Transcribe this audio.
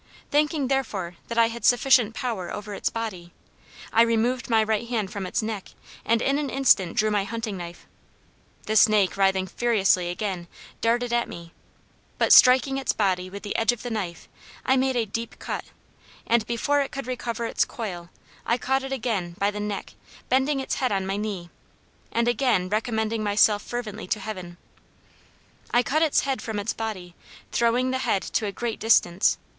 Thinking, therefore, that I had sufficient power over its body, I removed my right hand from its neck, and in an instant drew my hunting knife. The snake, writhing furiously again, darted at me; but, striking its body with the edge of the knife, I made a deep cut, and before it could recover its coil, I caught it again by the neck; bending its head on my knee, and again recommending myself fervently to Heaven, I cut its head from its body, throwing the head to a great distance.